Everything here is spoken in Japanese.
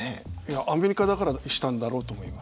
アメリカだからしたんだろうと思います。